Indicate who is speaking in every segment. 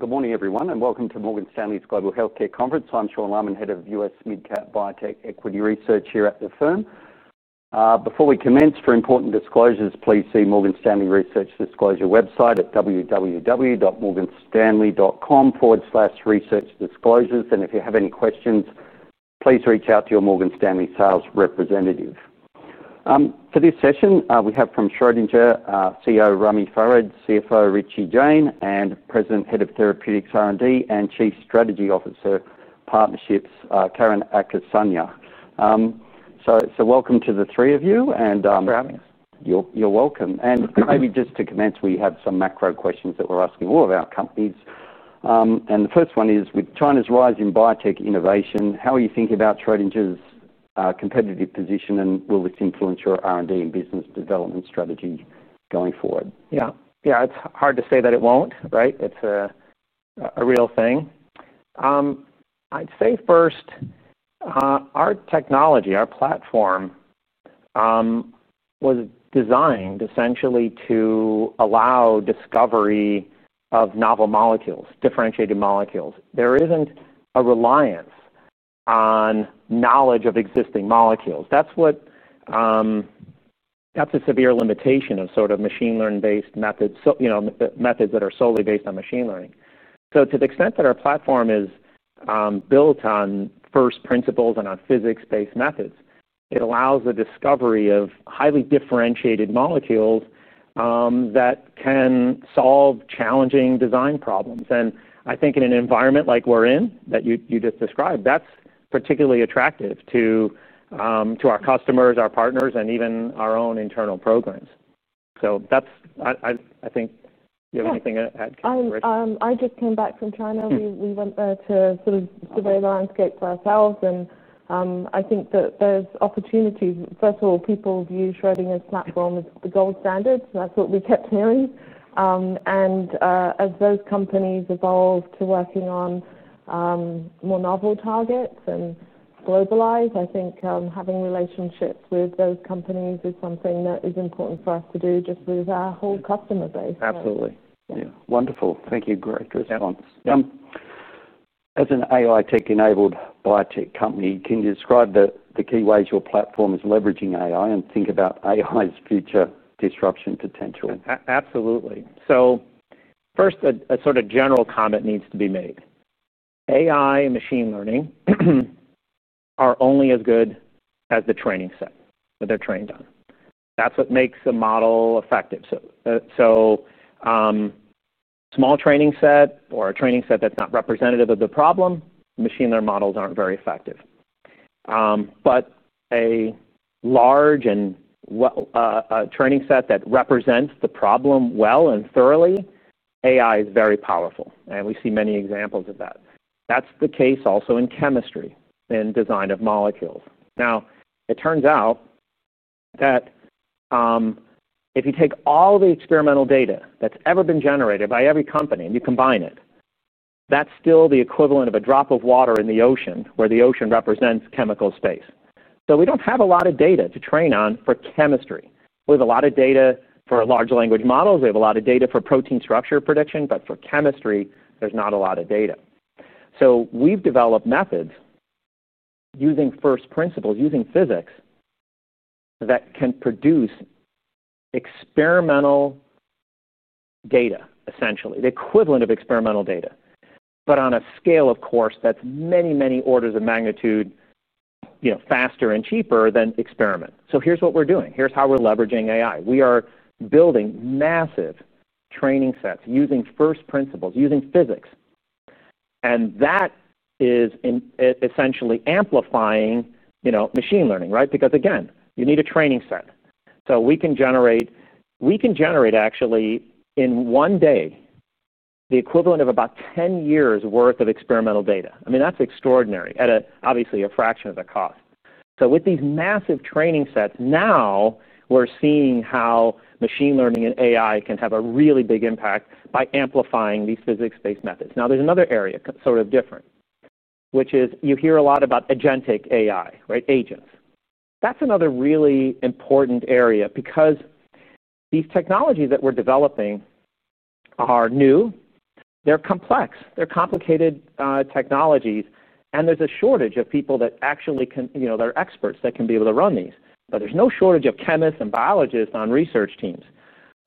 Speaker 1: Good morning, everyone, and welcome to Morgan Stanley's Global Healthcare Conference. I'm Sean Lammon, Head of US Midcap Biotech Equity Research here at the firm. Before we commence, for important disclosures, please see Morgan Stanley Research's disclosure website at www.morganstanley.com/researchdisclosures. If you have any questions, please reach out to your Morgan Stanley sales representative. For this session, we have from Schrödinger, CEO Ramy Farid, CFO Richie Jain, and President, Head of Therapeutics R&D, and Chief Strategy Officer, Partnerships, Karen Akinsanya. Welcome to the three of you.
Speaker 2: Thanks for having us.
Speaker 1: You're welcome. Maybe just to commence, we have some macro questions that we're asking all of our companies. The first one is, with China's rise in biotech innovation, how are you thinking about Schrödinger's competitive position, and will this influence your R&D and business development strategy going forward?
Speaker 2: Yeah, it's hard to say that it won't, right? It's a real thing. I'd say first, our technology, our platform, was designed essentially to allow discovery of novel molecules, differentiated molecules. There isn't a reliance on knowledge of existing molecules. That's a severe limitation of sort of machine learning-based methods, you know, methods that are solely based on machine learning. To the extent that our platform is built on first principles and on physics-based methods, it allows the discovery of highly differentiated molecules that can solve challenging design problems. I think in an environment like we're in, that you just described, that's particularly attractive to our customers, our partners, and even our own internal programs. That's, I think, do you have anything to add, Richie?
Speaker 3: I just came back from China. We wanted to sort of give a landscape for ourselves. I think that there's opportunities. First of all, people view Schrödinger's platform as the gold standard. That's what we kept hearing. As those companies evolve to working on more novel targets and globalize, I think having relationships with those companies is something that is important for us to do just with our whole customer base.
Speaker 1: Absolutely. Yeah, wonderful. Thank you. Great response. As an AI tech-enabled biotech company, can you describe the key ways your platform is leveraging AI and think about AI's future disruption potential?
Speaker 2: Absolutely. First, a sort of general comment needs to be made. AI and machine learning are only as good as the training set that they're trained on. That's what makes a model effective. A small training set or a training set that's not representative of the problem, machine learning models aren't very effective. A large and well-trained set that represents the problem well and thoroughly, AI is very powerful. We see many examples of that. That's the case also in chemistry and design of molecules. It turns out that if you take all the experimental data that's ever been generated by every company and you combine it, that's still the equivalent of a drop of water in the ocean, where the ocean represents chemical space. We don't have a lot of data to train on for chemistry. We have a lot of data for large language models. We have a lot of data for protein structure prediction. For chemistry, there's not a lot of data. We've developed methods using first-principles physics that can produce experimental data, essentially the equivalent of experimental data, but on a scale that's many, many orders of magnitude faster and cheaper than experiment. Here's what we're doing. Here's how we're leveraging AI. We are building massive training sets using first-principles physics. That is essentially amplifying machine learning, right? Because, again, you need a training set. We can generate, actually, in one day, the equivalent of about 10 years' worth of experimental data. I mean, that's extraordinary at, obviously, a fraction of the cost. With these massive training sets, now we're seeing how machine learning and AI can have a really big impact by amplifying these physics-based methods. There's another area that's sort of different, which is you hear a lot about agentic AI, right? Agents. That's another really important area because these technologies that we're developing are new. They're complex. They're complicated technologies. There's a shortage of people that actually can, you know, that are experts that can be able to run these. There's no shortage of chemists and biologists on research teams.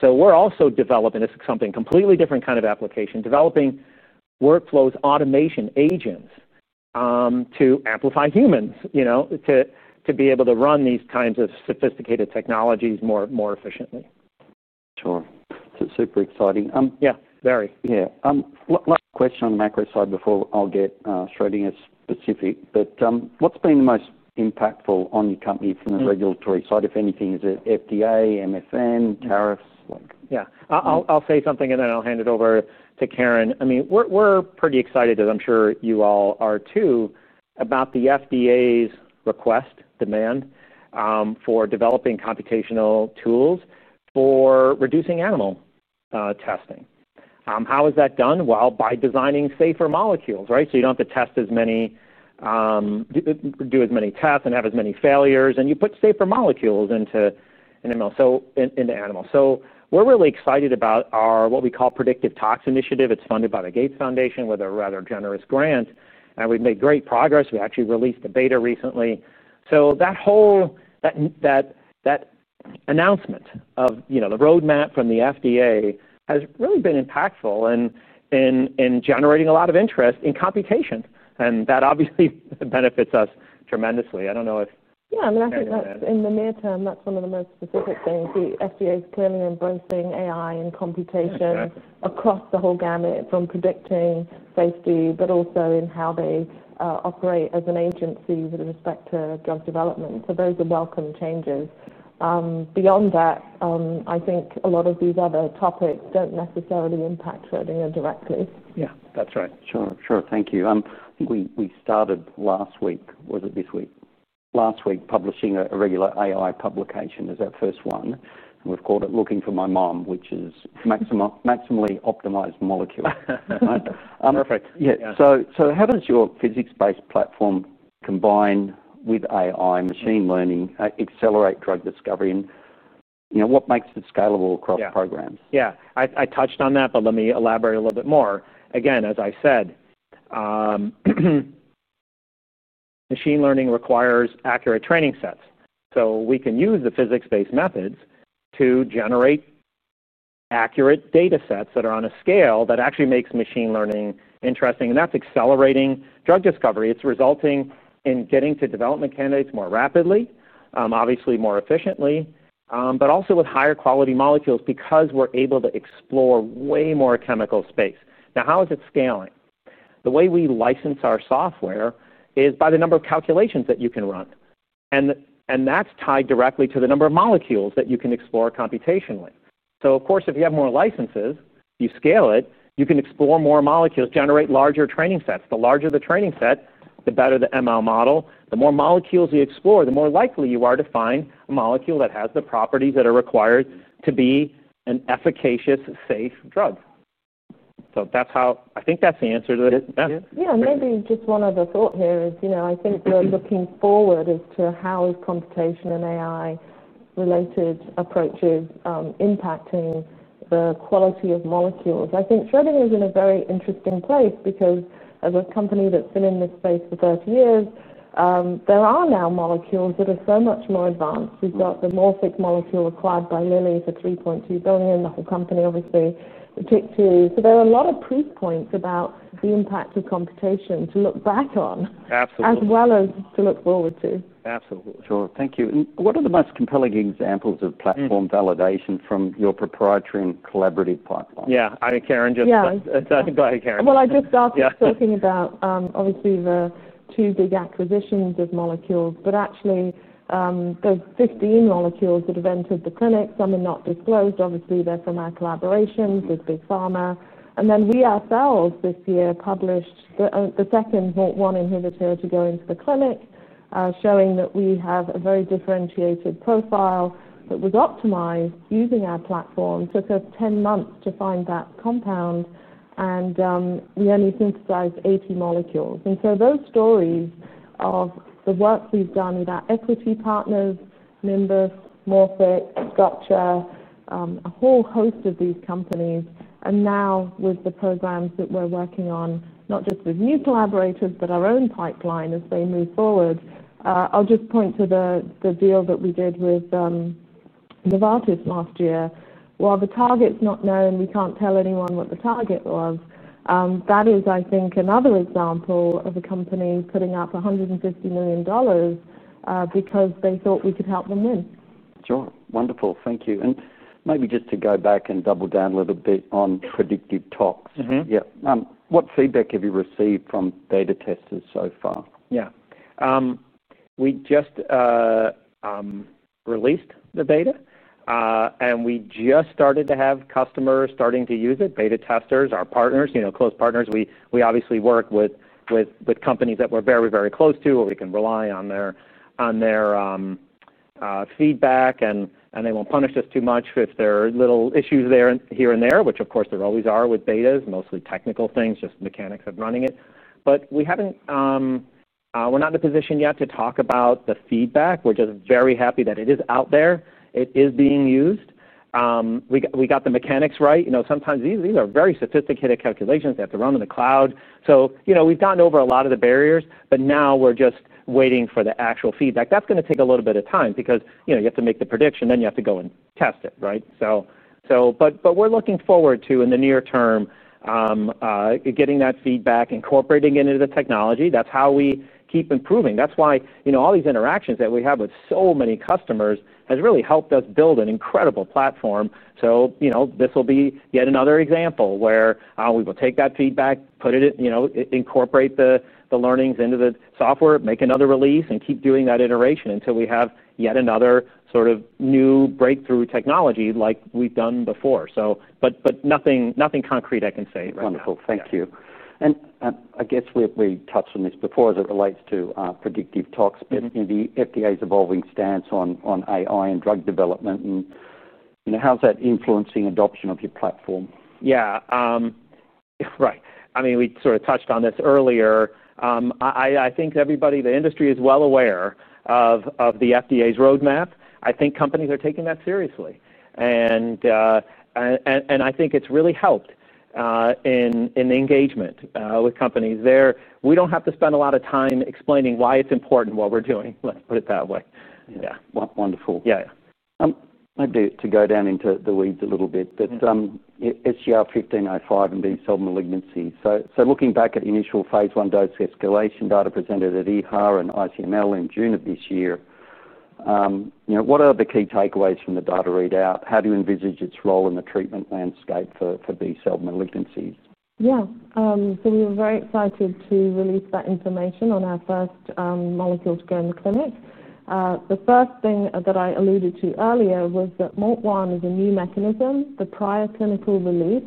Speaker 2: We're also developing, this is something completely different kind of application, developing workflows, automation agents to amplify humans, to be able to run these kinds of sophisticated technologies more efficiently.
Speaker 1: Sure, super exciting.
Speaker 2: Yeah, very.
Speaker 1: Yeah. Question on the macro side before I'll get Schrödinger specific. What's been the most impactful on your company from the regulatory side, if anything? Is it FDA, MSN, tariffs?
Speaker 2: Yeah, I'll say something and then I'll hand it over to Karen. I mean, we're pretty excited, as I'm sure you all are too, about the FDA's request, demand, for developing computational tools for reducing animal testing. How is that done? By designing safer molecules, right? You don't have to test as many, do as many tests, and have as many failures. You put safer molecules into animals. We're really excited about our, what we call, predictive tox initiative. It's funded by the Gates Foundation with a rather generous grant. We've made great progress. We actually released the beta recently. That announcement of the roadmap from the FDA has really been impactful in generating a lot of interest in computation. That obviously benefits us tremendously. I don't know if.
Speaker 3: Yeah, I mean, I think in the near term, that's one of the most specific things. The FDA is clearly influencing AI and computation across the whole gamut, from predicting safety, but also in how they operate as an agency with respect to drug development. Those are welcome changes. Beyond that, I think a lot of these other topics don't necessarily impact Schrödinger directly.
Speaker 1: Yeah, that's right. Thank you. We started last week, was it this week? Last week, publishing a regular AI publication as our first one. We've called it Looking for My Mom, which is a maximally optimized molecule. Perfect. How does your physics-based platform combine with AI, machine learning, accelerate drug discovery? You know, what makes it scalable across programs?
Speaker 2: Yeah, I touched on that, but let me elaborate a little bit more. Again, as I said, machine learning requires accurate training sets. We can use the physics-based methods to generate accurate data sets that are on a scale that actually makes machine learning interesting. That is accelerating drug discovery. It's resulting in getting to development candidates more rapidly, obviously more efficiently, but also with higher quality molecules because we're able to explore way more chemical space. Now, how is it scaling? The way we license our software is by the number of calculations that you can run. That is tied directly to the number of molecules that you can explore computationally. If you have more licenses, you scale it, you can explore more molecules, generate larger training sets. The larger the training set, the better the ML model. The more molecules you explore, the more likely you are to find a molecule that has the properties that are required to be an efficacious, safe drug. That's how I think that's the answer to that.
Speaker 3: Maybe just one other thought here is, I think we're looking forward to how is computation and AI-related approaches impacting the quality of molecules. I think Schrödinger is in a very interesting place because, as a company that's been in this space for 30 years, there are now molecules that are so much more advanced. We've got the morphic molecule acquired by Lilly for $3.2 billion, the whole company, obviously, the PIC2. There are a lot of proof points about the impact of computation to look back on.
Speaker 2: Absolutely.
Speaker 3: As well as to look forward to.
Speaker 1: Absolutely. Thank you. What are the most compelling examples of platform validation from your proprietary and collaborative partners?
Speaker 2: Yeah, I think Karen just.
Speaker 3: I just started talking about, obviously, the two big acquisitions of molecules. Actually, there are 15 molecules that have entered the clinics. I mean, not disclosed, obviously, they're from our collaborations with Big Pharma. We ourselves this year published the second MORT1 inhibitor to go into the clinic, showing that we have a very differentiated profile that was optimized using our platform. It took us 10 months to find that compound, and we only synthesized 80 molecules. Those stories of the work we've done with our equity partners, Nimbus, Morphic, Structure, a whole host of these companies, and now with the programs that we're working on, not just with new collaborators, but our own pipeline as they move forward. I'll just point to the deal that we did with Novartis last year. While the target's not known, we can't tell anyone what the target was. That is, I think, another example of a company putting up $150 million because they thought we could help them win.
Speaker 1: Sure. Wonderful. Thank you. Maybe just to go back and double down a little bit on predictive tox. What feedback have you received from beta testers so far?
Speaker 2: Yeah. We just released the beta, and we just started to have customers starting to use it, beta testers, our partners, you know, close partners. We obviously work with companies that we're very, very close to, where we can rely on their feedback, and they won't punish us too much if there are little issues here and there, which, of course, there always are with betas, mostly technical things, just mechanics of running it. We haven't, we're not in a position yet to talk about the feedback. We're just very happy that it is out there. It is being used. We got the mechanics right. Sometimes these are very sophisticated calculations that have to run in the cloud. We've gone over a lot of the barriers. Now we're just waiting for the actual feedback. That's going to take a little bit of time because you have to make the prediction, then you have to go and test it, right? We're looking forward to, in the near term, getting that feedback, incorporating it into the technology. That's how we keep improving. That's why all these interactions that we have with so many customers have really helped us build an incredible platform. This will be yet another example where we will take that feedback, put it in, incorporate the learnings into the software, make another release, and keep doing that iteration until we have yet another sort of new breakthrough technology like we've done before. Nothing concrete I can say right now.
Speaker 1: Wonderful. Thank you. I guess we touched on this before as it relates to predictive tox, but in the FDA's evolving stance on AI and drug development, how's that influencing adoption of your platform?
Speaker 2: Yeah, right. I mean, we sort of touched on this earlier. I think everybody in the industry is well aware of the FDA's roadmap. I think companies are taking that seriously. I think it's really helped in engagement with companies there. We don't have to spend a lot of time explaining why it's important what we're doing. Let's put it that way.
Speaker 1: Yeah, wonderful.
Speaker 2: Yeah, yeah.
Speaker 1: Maybe to go down into the weeds a little bit, but SGR-1505 and B-cell malignancy. Looking back at the initial phase one dose escalation data presented at EHR and ICML in June of this year, what are the key takeaways from the data readout? How do you envisage its role in the treatment landscape for B-cell malignancies?
Speaker 3: Yeah, we were very excited to release that information on our first molecule scan clinic. The first thing that I alluded to earlier was that MORT1 is a new mechanism. The prior clinical release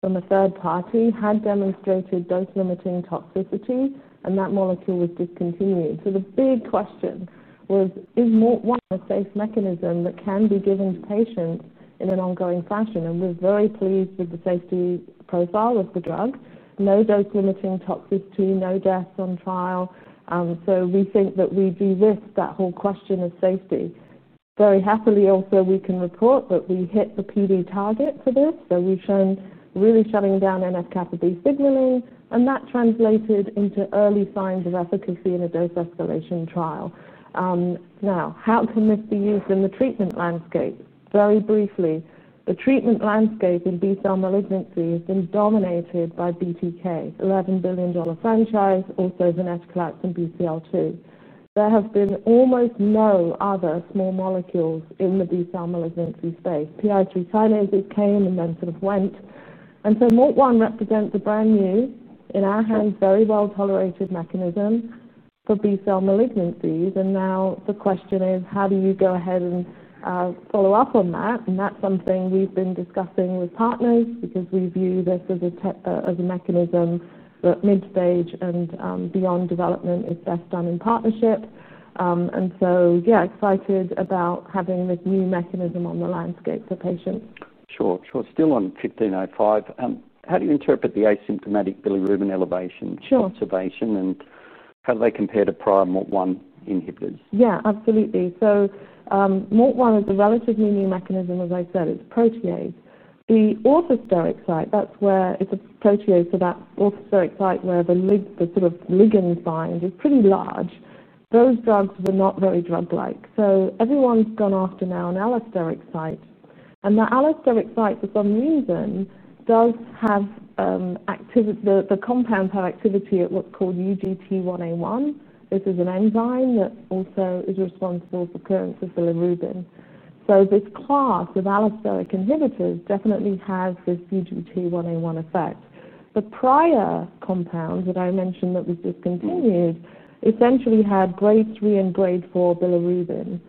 Speaker 3: from a third party had demonstrated dose-limiting toxicity, and that molecule was discontinued. The big question was, is MORT1 a safe mechanism that can be given to patients in an ongoing fashion? We're very pleased with the safety profile of the drug. No dose-limiting toxicity, no deaths on trial. We think that we de-risked that whole question of safety. Very happily, also, we can report that we hit the PD target for this. We've shown really shutting down NF-kappa B signaling, and that translated into early signs of efficacy in a dose escalation trial. Now, how can this be used in the treatment landscape? Very briefly, the treatment landscape in B-cell malignancy has been dominated by BTK, $11 billion franchise, also venetoclax and BCL2. There have been almost no other small molecules in the B-cell malignancy space. PI3 kinase came and then sort of went. MORT1 represents a brand new, in our hands, very well-tolerated mechanism for B-cell malignancies. Now the question is, how do you go ahead and follow up on that? That's something we've been discussing with partners because we view this as a mechanism that mid-stage and beyond development is best done in partnership. Yeah, excited about having this new mechanism on the landscape for patients.
Speaker 1: Sure. Still on SGR-1505, how do you interpret the asymptomatic bilirubin elevation observation? How do they compare to prior MORT1 inhibitors?
Speaker 3: Yeah, absolutely. MORT1 is a relatively new mechanism. As I said, it's a protease. The orthosteric site, that's where it's a protease for that orthosteric site where the sort of ligand bind is pretty large. Those drugs were not very drug-like. Everyone's gone after now an allosteric site. The allosteric site, for some reason, does have activity. The compounds have activity at what's called UGT1A1. This is an enzyme that also is responsible for the occurrence of bilirubin. This class of allosteric inhibitors definitely has this UGT1A1 effect. The prior compounds that I mentioned that was discontinued essentially had grade 3 and grade 4 bilirubin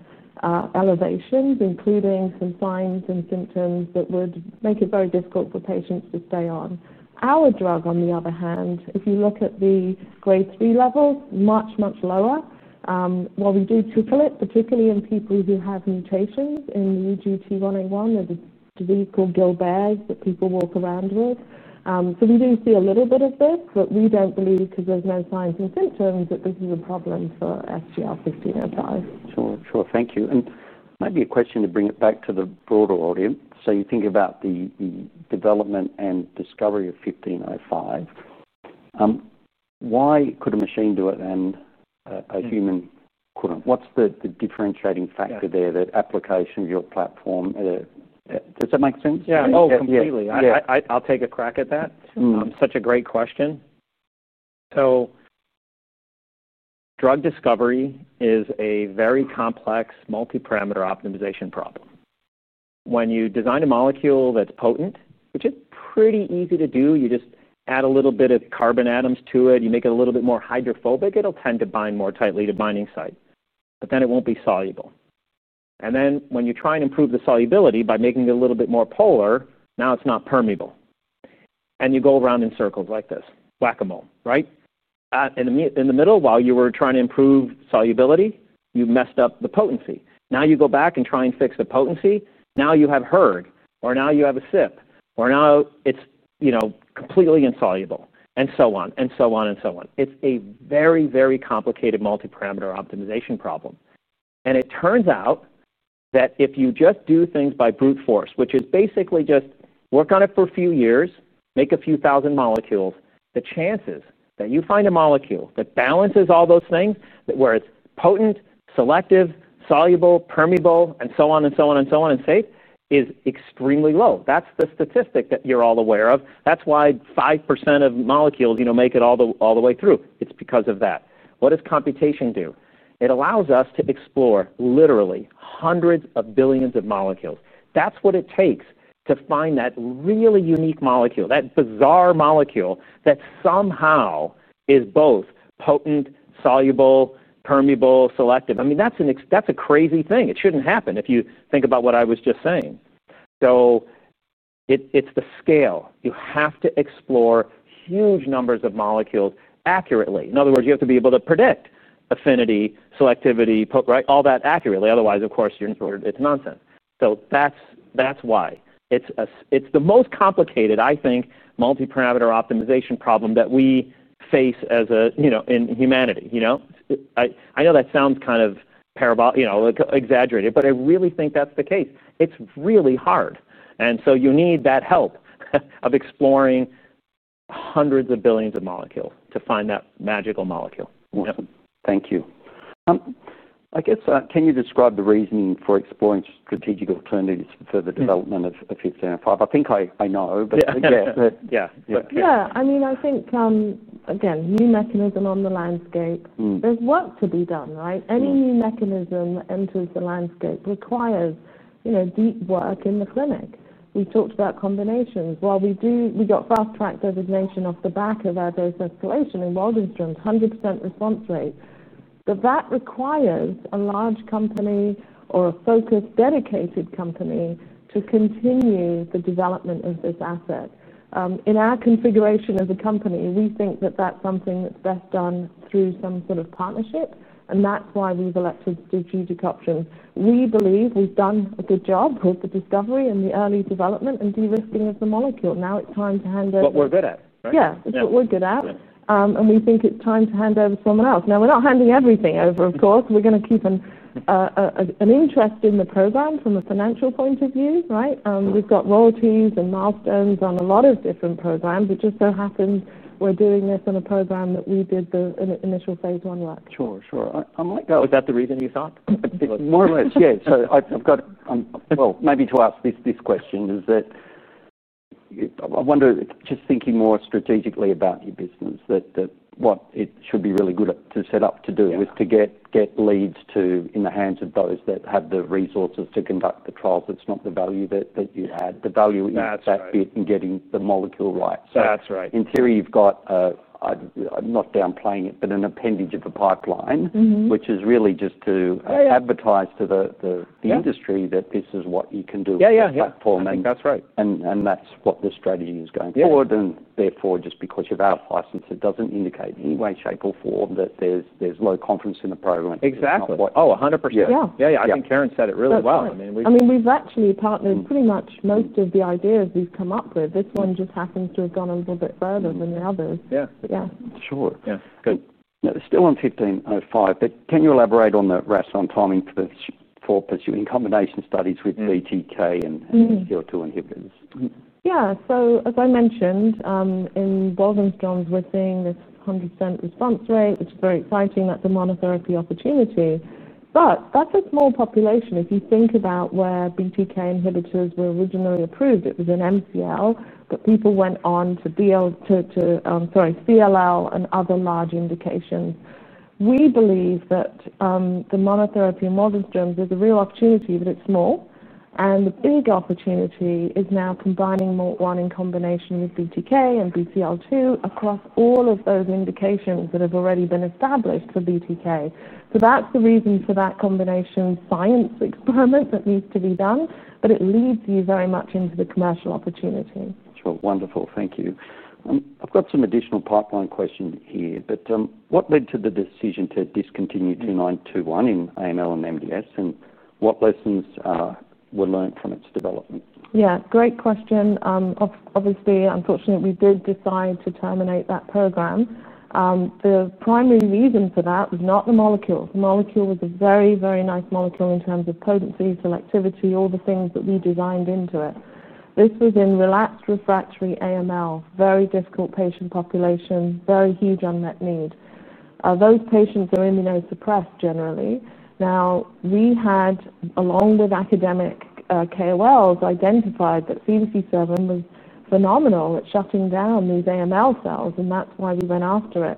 Speaker 3: elevations, including some signs and symptoms that would make it very difficult for patients to stay on. Our drug, on the other hand, if you look at the grade 3 levels, much, much lower. What we do to fill it, particularly in people who have mutations in the UGT1A1, there's a disease called Gilbert that people walk around with. We do see a little bit of this, but we don't believe, because there's no signs and symptoms, that this is a problem for SGR-1505.
Speaker 1: Thank you. Maybe a question to bring it back to the broader audience. You think about the development and discovery of SGR-1505. Why could a machine do it and a human couldn't? What's the differentiating factor there, the application of your platform? Does that make sense?
Speaker 2: Yeah, oh, completely. I'll take a crack at that. Such a great question. Drug discovery is a very complex multi-parameter optimization problem. When you design a molecule that's potent, which is pretty easy to do, you just add a little bit of carbon atoms to it, you make it a little bit more hydrophobic, it'll tend to bind more tightly to binding site. Then it won't be soluble. When you try and improve the solubility by making it a little bit more polar, now it's not permeable. You go around in circles like this, whack-a-mole, right? In the middle, while you were trying to improve solubility, you messed up the potency. Now you go back and try and fix the potency. Now you have herd, or now you have a sip, or now it's, you know, completely insoluble, and so on, and so on, and so on. It's a very, very complicated multi-parameter optimization problem. It turns out that if you just do things by brute force, which is basically just work on it for a few years, make a few thousand molecules, the chances that you find a molecule that balances all those things, where it's potent, selective, soluble, permeable, and so on, and so on, and so on, and safe, is extremely low. That's the statistic that you're all aware of. That's why 5% of molecules, you know, make it all the way through. It's because of that. What does computation do? It allows us to explore literally hundreds of billions of molecules. That's what it takes to find that really unique molecule, that bizarre molecule that somehow is both potent, soluble, permeable, selective. I mean, that's a crazy thing. It shouldn't happen if you think about what I was just saying. It's the scale. You have to explore huge numbers of molecules accurately. In other words, you have to be able to predict affinity, selectivity, all that accurately. Otherwise, of course, it's nonsense. That's why. It's the most complicated, I think, multi-parameter optimization problem that we face as a, you know, in humanity. You know, I know that sounds kind of, you know, exaggerated, but I really think that's the case. It's really hard. You need that help of exploring hundreds of billions of molecules to find that magical molecule.
Speaker 1: Thank you. Can you describe the reasoning for exploring strategic alternatives for the development of SGR-1505? I think I know, but yeah.
Speaker 3: Yeah, I mean, I think, again, new mechanism on the landscape. There's work to be done, right? Any new mechanism that enters the landscape requires deep work in the clinic. We talked about combinations. We got fast-tracked over the nation off the back of our dose escalation and well-dosed drugs, 100% response rate. That requires a large company or a focused, dedicated company to continue the development of this asset. In our configuration as a company, we think that that's something that's best done through some sort of partnership. That's why we've elected strategic options. We believe we've done a good job with the discovery and the early development and de-risking of the molecule. Now it's time to hand over.
Speaker 1: That's what we're good at, right?
Speaker 3: Yeah, it's what we're good at. We think it's time to hand over to someone else. We're not handing everything over, of course. We're going to keep an interest in the program from a financial point of view, right? We've got royalties and milestones on a lot of different programs. It just so happens we're doing this on a program that we did the initial phase one with.
Speaker 1: I might go, is that the reason you thought? More or less, yeah. I wonder, just thinking more strategically about your business, that what it should be really good to set up to do is to get leads in the hands of those that have the resources to conduct the trials. That's not the value that you had. The value is that bit in getting the molecule right.
Speaker 2: That's right.
Speaker 1: In theory, you've got, I'm not downplaying it, but an appendage of a pipeline, which is really just to advertise to the industry that this is what you can do with the platform.
Speaker 2: Yeah, that's right.
Speaker 1: That is what the strategy is going forward. Therefore, just because you've had a license, it doesn't indicate in any way, shape, or form that there's low confidence in the program.
Speaker 2: Exactly. 100%. I think Karen said it really well.
Speaker 3: We've actually partnered pretty much most of the ideas we've come up with. This one just happens to have gone a little bit further than the others.
Speaker 2: Yeah.
Speaker 3: But yeah.
Speaker 1: Sure. Yeah, good. We're still on 1505. Can you elaborate on the rest on timing for pursuing combination studies with BTK and SGL2 inhibitors?
Speaker 3: Yeah, as I mentioned, in well-dosed drugs, we're seeing this 100% response rate, which is very exciting, that's a monotherapy opportunity. That's a small population. If you think about where BTK inhibitors were originally approved, it was in MCL, but people went on to be able to, sorry, CLL and other large indications. We believe that the monotherapy in well-dosed drugs is a real opportunity, but it's small. The big opportunity is now combining MORT1 in combination with BTK and BCL2 across all of those indications that have already been established for BTK. That's the reason for that combination science experiment that needs to be done. It leads you very much into the commercial opportunity.
Speaker 1: Sure. Wonderful. Thank you. I've got some additional pipeline questions here. What led to the decision to discontinue SGR-2921 in AML and MDS? What lessons were learned from its development?
Speaker 3: Yeah, great question. Obviously, unfortunately, we did decide to terminate that program. The primary reason for that was not the molecule. The molecule was a very, very nice molecule in terms of potency, selectivity, all the things that we designed into it. This was in relapsed refractory AML, very difficult patient population, very huge unmet need. Those patients are immunosuppressed generally. We had, along with academic KOLs, identified that CDC7 was phenomenal at shutting down these AML cells. That is why we went after it.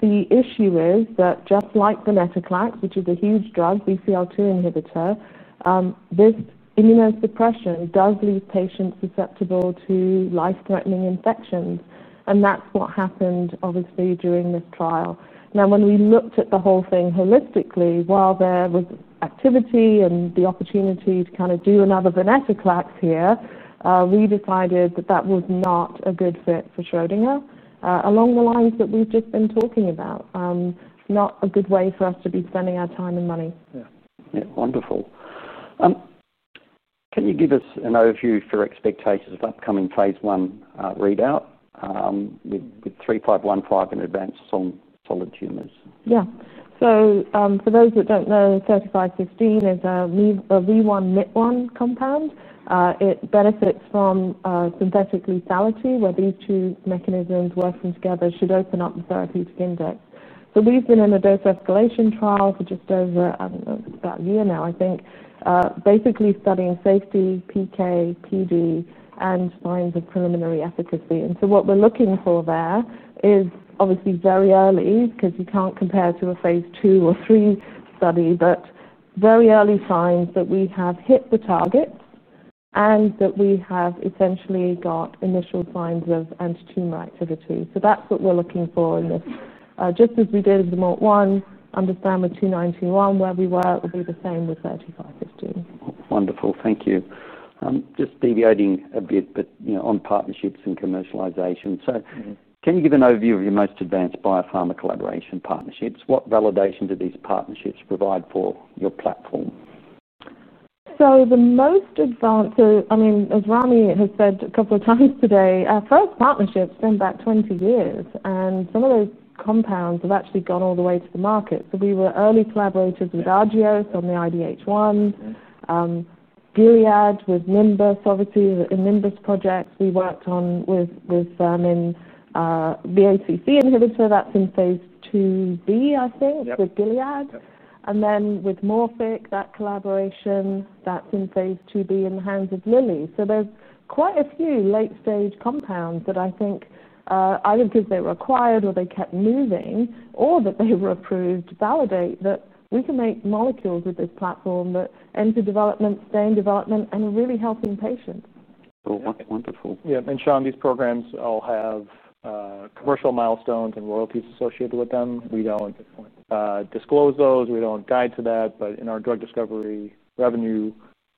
Speaker 3: The issue is that just like venetoclax, which is a huge drug, BCL2 inhibitor, this immunosuppression does leave patients susceptible to life-threatening infections. That is what happened, obviously, during this trial. When we looked at the whole thing holistically, while there was activity and the opportunity to kind of do another venetoclax here, we decided that that was not a good fit for Schrödinger, along the lines that we've just been talking about. Not a good way for us to be spending our time and money.
Speaker 1: Yeah, yeah, wonderful. Can you give us an overview for expectations of upcoming phase one readout with SGR-3515 in advanced solid tumors?
Speaker 3: Yeah, so for those that don't know, SGR-3515 is a V1-MYT1 compound. It benefits from synthetic lethality, where these two mechanisms working together should open up the therapeutic index. We've been in a dose escalation trial for just over, I don't know, about a year now, basically studying safety, PK, PD, and signs of preliminary efficacy. What we're looking for there is obviously very early because you can't compare to a phase two or three study, but very early signs that we have hit the target and that we have essentially got initial signs of anti-tumor activity. That's what we're looking for in this, just as we did with the MORT1 inhibitor, understand with SGR-2921 where we were, it'll be the same with SGR-3515.
Speaker 1: Wonderful. Thank you. Just deviating a bit, but you know, on partnerships and commercialization. Can you give an overview of your most advanced biopharma collaboration partnerships? What validation do these partnerships provide for your platform?
Speaker 3: The most advanced, I mean, as Ramy has said a couple of times today, our first partnerships going back 20 years. Some of those compounds have actually gone all the way to the market. We were early collaborators with Agios on the IDH1. Gilead was Nimbus projects. We worked on with BCL2 inhibitor. That's in phase 2B, I think, with Gilead. Then with Morphic, that collaboration, that's in phase 2B in the hands of Lilly. There's quite a few late-stage compounds that I think, either because they were acquired or they kept moving or that they were approved, validate that we can make molecules with this platform that enter development, stay in development, and are really helping patients.
Speaker 1: Oh, wonderful.
Speaker 4: Yeah, and Sean, these programs all have commercial milestones and royalties associated with them. We don't disclose those. We don't tie to that. In our drug discovery revenue,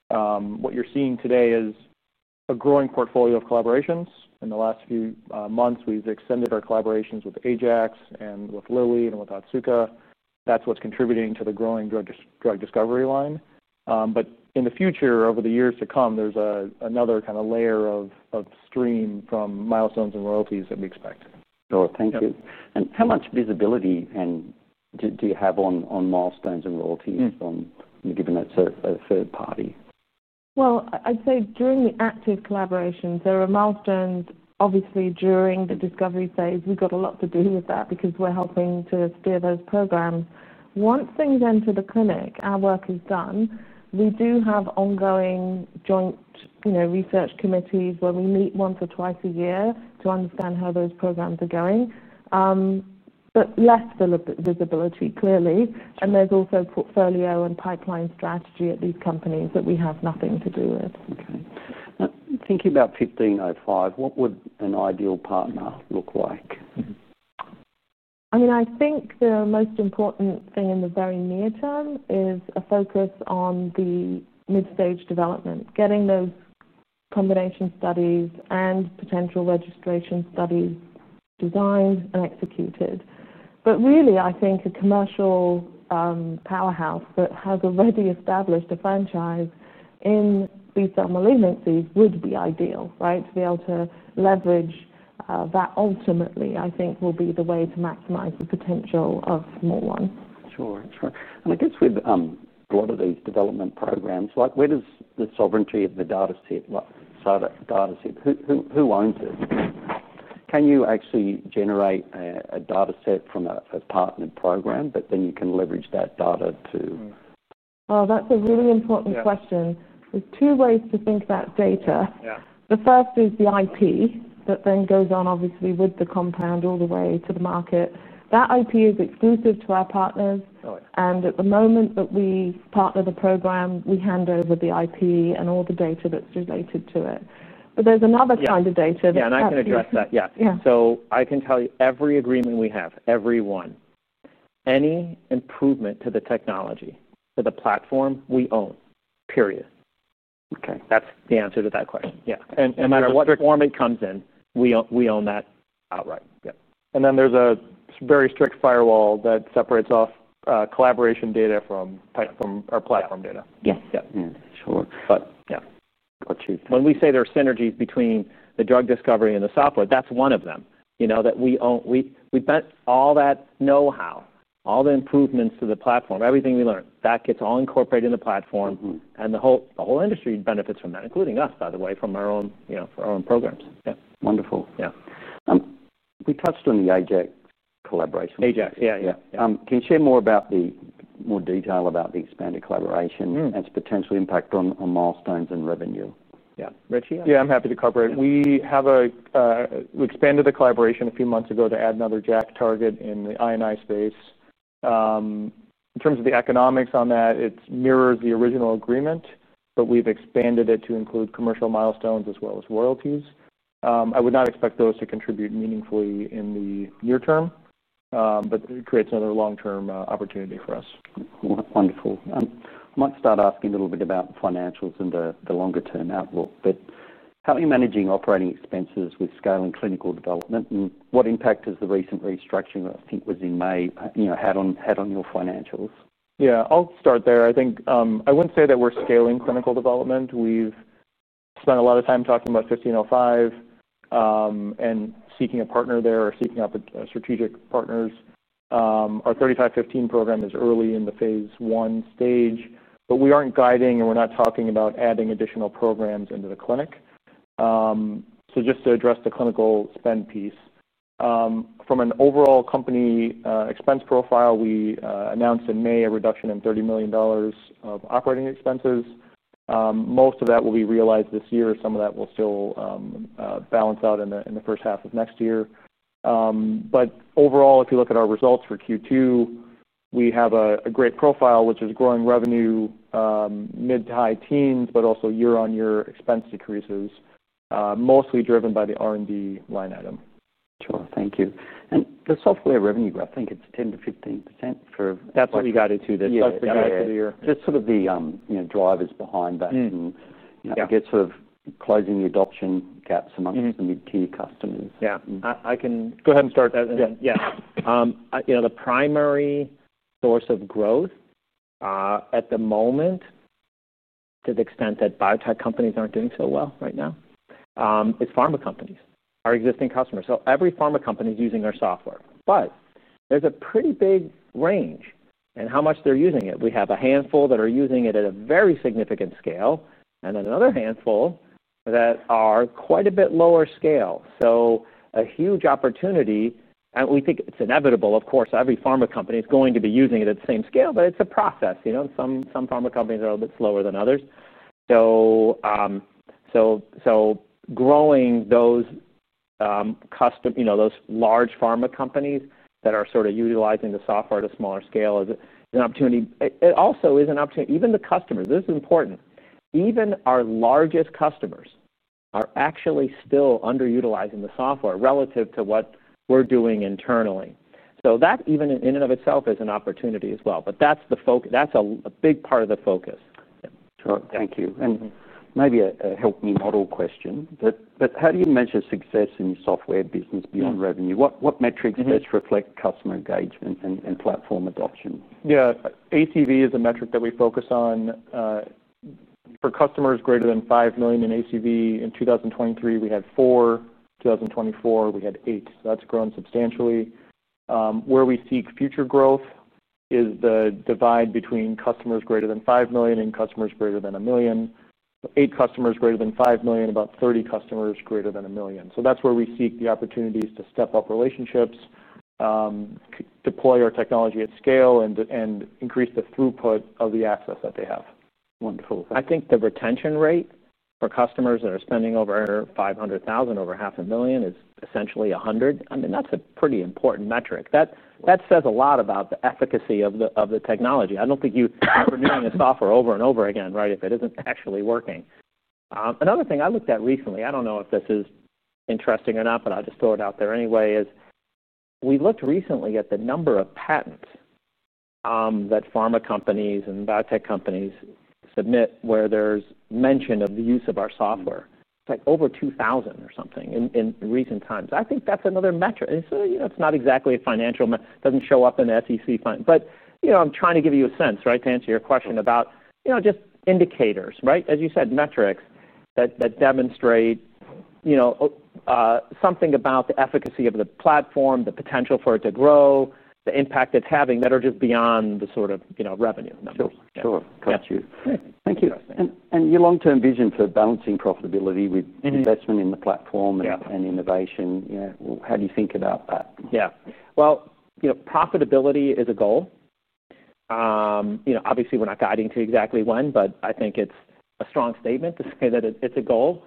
Speaker 4: what you're seeing today is a growing portfolio of collaborations. In the last few months, we've extended our collaborations with Ajax and with Eli Lilly and with Otsuka. That's what's contributing to the growing drug discovery line. In the future, over the years to come, there's another kind of layer of stream from milestones and royalties that we expect.
Speaker 1: Sure. Thank you. How much visibility do you have on milestones and royalties given it's a third party?
Speaker 3: During the active collaborations, there are milestones. Obviously, during the discovery phase, we've got a lot to do with that because we're helping to steer those programs. Once things enter the clinic, our work is done. We do have ongoing joint research committees where we meet once or twice a year to understand how those programs are going. There is less visibility, clearly. There is also portfolio and pipeline strategy at these companies that we have nothing to do with.
Speaker 1: Okay. Thinking about 1505, what would an ideal partner look like?
Speaker 3: I think the most important thing in the very near term is a focus on the mid-stage development, getting those combination studies and potential registration studies designed and executed. I think a commercial powerhouse that has already established a franchise in B-cell malignancies would be ideal, right, to be able to leverage that ultimately, I think, will be the way to maximize the potential of MORT1.
Speaker 1: Sure. I guess with a lot of these development programs, where does the sovereignty of the dataset, like SARA dataset, who owns it? Can you actually generate a dataset from a partner program, but then you can leverage that data too?
Speaker 3: Oh, that's a really important question. There's two ways to think about data. The first is the IP that then goes on, obviously, with the compound all the way to the market. That IP is exclusive to our partners. At the moment that we partner the program, we hand over the IP and all the data that's related to it. There's another kind of data that.
Speaker 2: I can address that. I can tell you every agreement we have, every one, any improvement to the technology, to the platform, we own, period.
Speaker 1: Okay.
Speaker 2: That's the answer to that question. No matter what form it comes in, we own that outright.
Speaker 4: There is a very strict firewall that separates off collaboration data from our platform data.
Speaker 2: Yes. Yeah.
Speaker 1: Sure.
Speaker 2: When we say there's synergy between the drug discovery and the software, that's one of them, you know, that we own. We've bent all that know-how, all the improvements to the platform, everything we learn, that gets all incorporated in the platform. The whole industry benefits from that, including us, by the way, from our own, you know, our own programs.
Speaker 1: Yeah. Wonderful.
Speaker 2: Yeah.
Speaker 1: We touched on the Ajax collaboration.
Speaker 2: Ajax, yeah.
Speaker 1: Can you share more detail about the expanded collaboration and its potential impact on milestones and revenue?
Speaker 2: Yeah.
Speaker 1: Richie?
Speaker 4: I'm happy to cooperate. We expanded the collaboration a few months ago to add another Ajax target in the INI space. In terms of the economics on that, it mirrors the original agreement, but we've expanded it to include commercial milestones as well as royalties. I would not expect those to contribute meaningfully in the near term, but it creates another long-term opportunity for us.
Speaker 1: Wonderful. I might start asking a little bit about the financials and the longer-term outlook. How are you managing operating expenses with scaling clinical development? What impact has the recent restructuring, I think it was in May, had on your financials?
Speaker 4: Yeah, I'll start there. I think I wouldn't say that we're scaling clinical development. We've spent a lot of time talking about SGR-1505 and seeking a partner there or seeking out strategic partners. Our SGR-3515 program is early in the phase one stage, but we aren't guiding and we're not talking about adding additional programs into the clinic. Just to address the clinical spend piece, from an overall company expense profile, we announced in May a reduction in $30 million of operating expenses. Most of that will be realized this year, if some of that will still balance out in the first half of next year. Overall, if you look at our results for Q2, we have a great profile, which is growing revenue mid to high teens, but also year-on-year expense decreases, mostly driven by the R&D line item.
Speaker 1: Sure. Thank you. The software revenue, I think it's 10% to 15% for.
Speaker 2: That's what we got into this year.
Speaker 1: That's sort of the driver behind that and closing the adoption gaps amongst some of your key customers.
Speaker 2: I can go ahead and start that. You know, the primary source of growth at the moment, to the extent that biotech companies aren't doing so well right now, is pharma companies, our existing customers. Every pharma company is using our software, but there's a pretty big range in how much they're using it. We have a handful that are using it at a very significant scale and then another handful that are quite a bit lower scale. A huge opportunity, and we think it's inevitable, of course, every pharma company is going to be using it at the same scale, but it's a process. Some pharma companies are a little bit slower than others. Growing those large pharma companies that are sort of utilizing the software at a smaller scale is an opportunity. It also is an opportunity. Even the customers, this is important, even our largest customers are actually still underutilizing the software relative to what we're doing internally. That even in and of itself is an opportunity as well. That's the focus. That's a big part of the focus.
Speaker 1: Sure. Thank you. Maybe a help-me-model question. How do you measure success in your software business beyond revenue? What metrics best reflect customer engagement and platform adoption?
Speaker 4: Yeah, ACV is a metric that we focus on. For customers greater than $5 million in ACV in 2023, we had four. In 2024, we had eight. That's grown substantially. Where we seek future growth is the divide between customers greater than $5 million and customers greater than $1 million. Eight customers greater than $5 million, about 30 customers greater than $1 million. That's where we seek the opportunities to step up relationships, deploy our technology at scale, and increase the throughput of the access that they have.
Speaker 1: Wonderful.
Speaker 2: I think the retention rate for customers that are spending over $500,000, over half a million, is essentially 100%. I mean, that's a pretty important metric. That says a lot about the efficacy of the technology. I don't think you're using the software over and over again, right, if it isn't actually working. Another thing I looked at recently, I don't know if this is interesting or not, but I'll just throw it out there anyway, is we looked recently at the number of patents that pharma companies and biotech companies submit where there's mention of the use of our software. It's like over 2,000 or something in recent times. I think that's another metric. It's not exactly a financial metric. It doesn't show up in the SEC fund. I'm trying to give you a sense, right, to answer your question about just indicators, right? As you said, metrics that demonstrate something about the efficacy of the platform, the potential for it to grow, the impact it's having that are just beyond the sort of revenue numbers.
Speaker 1: Sure. Got you. Thank you. Your long-term vision for balancing profitability with investment in the platform and innovation, how do you think about that?
Speaker 2: Profitability is a goal. Obviously, we're not guiding to exactly when, but I think it's a strong statement to say that it's a goal.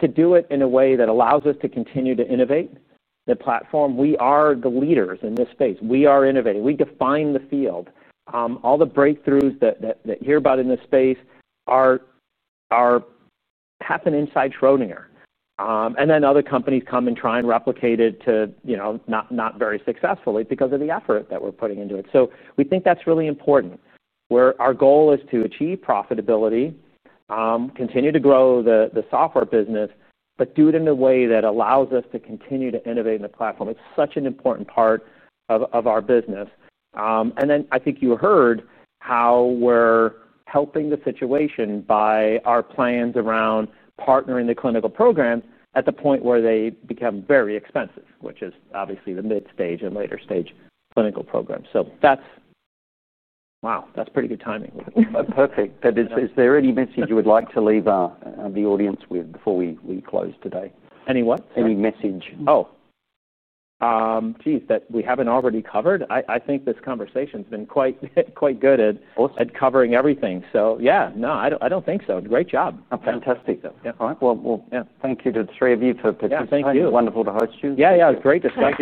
Speaker 2: To do it in a way that allows us to continue to innovate the platform, we are the leaders in this space. We are innovating. We define the field. All the breakthroughs that you hear about in this space are happening inside Schrödinger. Other companies come and try and replicate it, not very successfully because of the effort that we're putting into it. We think that's really important. Our goal is to achieve profitability, continue to grow the software business, but do it in a way that allows us to continue to innovate in the platform. It's such an important part of our business. I think you heard how we're helping the situation by our plans around partnering the clinical program at the point where they become very expensive, which is obviously the mid-stage and later stage clinical program. That's pretty good timing.
Speaker 1: Perfect. Is there any message you would like to leave the audience with before we close today?
Speaker 2: Any what?
Speaker 1: Any message?
Speaker 2: That we haven't already covered? I think this conversation's been quite good at covering everything. Yeah, no, I don't think so. Great job.
Speaker 1: Fantastic though. All right. Thank you to the three of you for participating.
Speaker 2: Thank you.
Speaker 1: It's wonderful to host you.
Speaker 2: Yeah, it was great to speak.